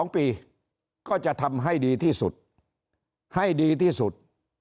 ๒ปีก็จะทำให้ดีที่สุดให้ดีที่สุด